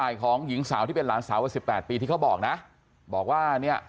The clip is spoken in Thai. ใครจะแจ้งจับร่วมพีชกุลมาหาเรื่องหนูอะหนูเอาอะไรเฮ้ย